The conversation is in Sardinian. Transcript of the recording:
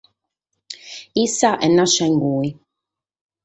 Issa est nàschida in cue.